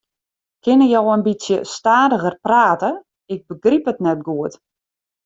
Kinne jo in bytsje stadiger prate, ik begryp it net goed.